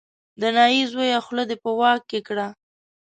د نايي زویه خوله دې په واک کې کړه.